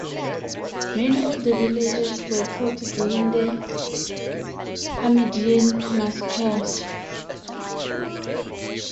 Many of the villagers were killed during the Hamidian massacres.